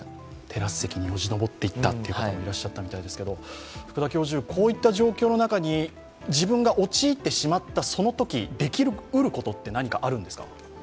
テラス席によじ登っていったという方もいらっしゃったみたいですがこういった状況の中に自分が陥ってしまったそのとき、自分でできうることって、何かあるんですか？